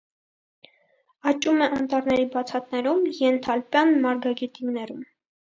Աճում է անտառների բացատներում, ենթալպյան մարգագետիններում։